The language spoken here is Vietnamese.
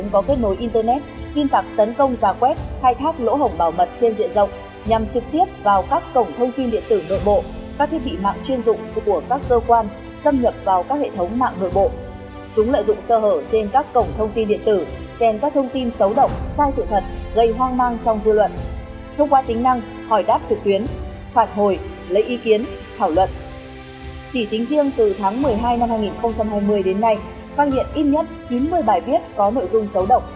chỉ tính riêng từ tháng một mươi hai năm hai nghìn hai mươi đến nay phát hiện ít nhất chín mươi bài viết có nội dung xấu động